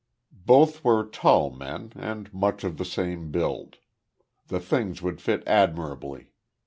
Both were tall men, and much of the same build. The things would fit admirably.